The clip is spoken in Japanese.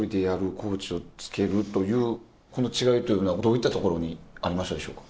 コーチをつけるというこの違いはどういったところにありましたでしょうか？